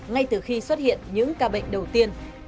ngay từ khi xuất hiện những ca bệnh đầu tiên